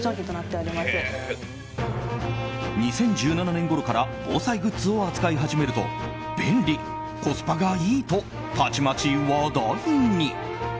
２０１７年ごろから防災グッズを扱い始めると便利、コスパがいいとたちまち話題に。